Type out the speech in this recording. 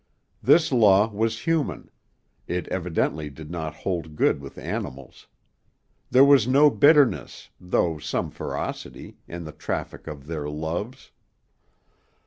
This law was human; it evidently did not hold good with animals. There was no bitterness, though some ferocity, in the traffic of their loves.